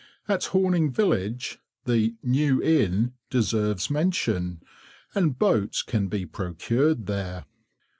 At Horning village, the "New" Inn deserves mention, and boats can be procured there.